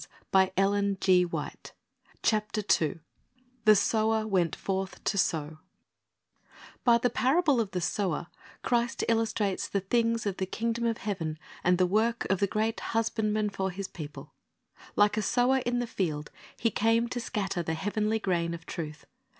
''The Sower Went Forth to Sow" THE SOWER AND THE SEED TDY the parable of the sower, Christ illustrates the things '^ of the kingdom of heaven, and the work of the great Husbandman for His people. Like a sower in the field, He came to scatter the heavenly grain of truth.